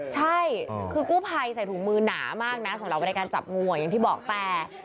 ใช่คือกู้ภัยใส่ถุงมือหนามากนะสำหรับเวลาในการจับงูอ่ะอย่างที่บอกแต่